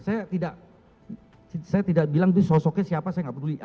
saya tidak saya tidak bilang itu sosoknya siapa saya nggak peduli